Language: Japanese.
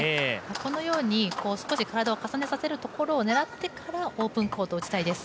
このように少し体を重ねさせるところを狙ってからオープンコート打ちたいです。